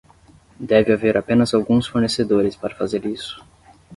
Deve haver apenas alguns fornecedores para fazer isso.